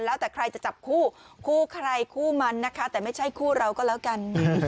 แล้วแต่ใครจะจับคู่คู่ใครคู่มันนะคะแต่ไม่ใช่คู่เราก็แล้วกัน